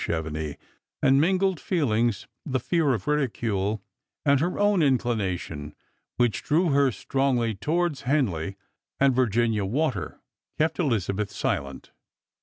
Chevenix; and mingled feelings, the fear of ridicule, and her OH n inclination, which drew her strongly towards Henley and Virginia Water, kept Elizabeth silent.